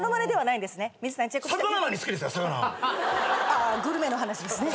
ああグルメの話ですね。